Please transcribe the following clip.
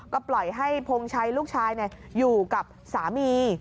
ก็ปล่อยให้พงชัยลูกชายอยู่กับสามี